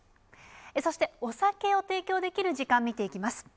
そして、お酒を提供できる時間を見ていきます。